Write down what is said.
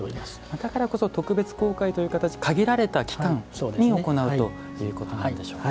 だからこそ特別公開という形限られた期間に行うということでしょうか。